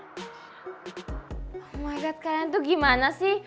oh my god kalian tuh gimana sih